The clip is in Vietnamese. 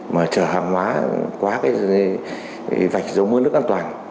mà trở hàng hóa quá vạch dấu mớ nước an toàn